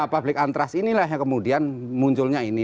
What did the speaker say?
public antras inilah yang kemudian munculnya ini